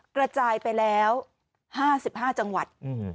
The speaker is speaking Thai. กระจายไปแล้ว๕๕จังหวัด